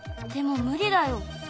でも無理だよ。